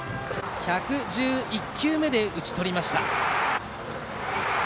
１１１球目で打ち取りました。